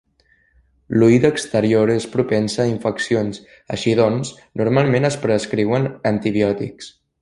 L'oïda exterior és propensa a infeccions, així doncs normalment es prescriuen antibiòtics.